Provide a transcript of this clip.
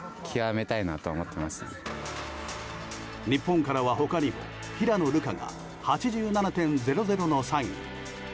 日本からは他にも平野流佳が８７．００の３位。